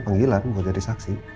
panggilan mau jadi saksi